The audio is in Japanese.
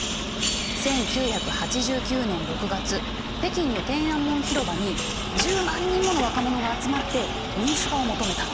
１９８９年６月北京の天安門広場に１０万人もの若者が集まって民主化を求めたの。